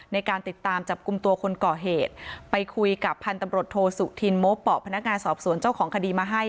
ในการติดตามจับกลุ่มตัวคนก่อเหตุไปคุยกับพันธุ์ตำรวจโทสุธินโมเป่าพนักงานสอบสวนเจ้าของคดีมาให้